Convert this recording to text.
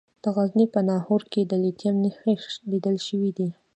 د غزني په ناهور کې د لیتیم نښې لیدل شوي دي.